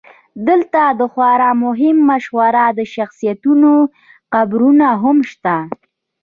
دلته د خورا مهمو مشهورو شخصیتونو قبرونه هم شته.